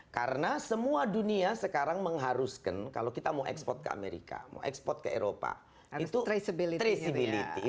karena semua dunia sekarang mengharuskan kalau kita mau ekspor ke amerika mau ekspor ke eropa itu traceability